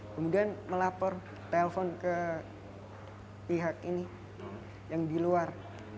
kemudian melapor telpon ke pihak ini yang di luar